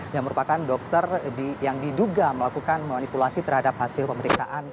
yang merupakan dokter yang diduga melakukan manipulasi terhadap hasil pemeriksaan